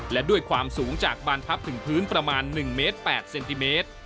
และด้วยความสูงจากบานพับถึงพื้นประมาณ๑เมตร๘เซนติเมตร